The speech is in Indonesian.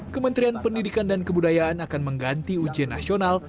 kementerian pendidikan dan kebudayaan akan mengganti ujian nasional